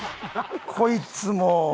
こいつもう。